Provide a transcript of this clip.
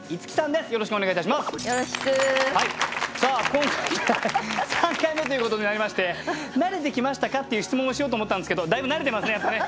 今回で３回目ということになりまして「慣れてきましたか？」っていう質問をしようと思ったんですけどだいぶ慣れてますねやっぱね。